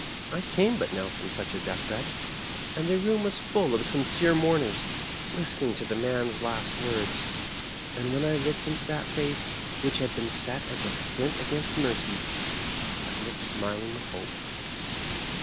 I came but now from such a death bed, and the room was full of sincere mourners, listening to the man's last words ; and when I looked into that face, which had been set as a flint against mercy, I found it smiling with hope."